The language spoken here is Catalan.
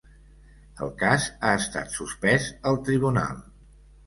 El cas ha estat suspès al tribunal.